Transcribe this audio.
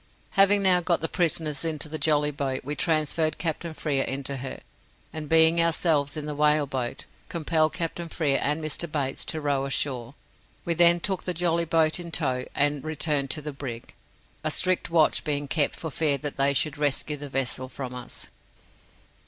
Having now got the prisoners into the jolly boat, we transferred Captain Frere into her, and being ourselves in the whale boat, compelled Captain Frere and Mr. Bates to row ashore. We then took the jolly boat in tow, and returned to the brig, a strict watch being kept for fear that they should rescue the vessel from us.